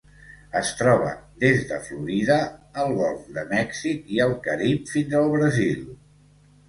Es troba des de Florida, el Golf de Mèxic i el Carib fins al Brasil.